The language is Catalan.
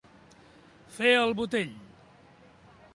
Fer el botell.